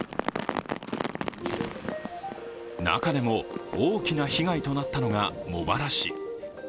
中でも大きな被害となったのが茂原市。